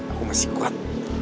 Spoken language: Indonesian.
aku masih kuat